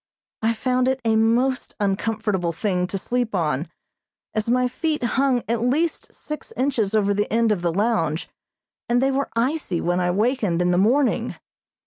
I found it a most uncomfortable thing to sleep on, as my feet hung at least six inches over the end of the lounge, and they were icy when I wakened in the morning.